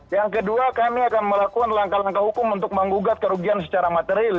yang kedua kami akan melakukan langkah langkah hukum untuk menggugat kerugian secara material